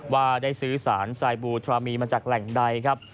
ว่าได้ซื้อสารสายบูทรามีมาจากแหล่งใดครับ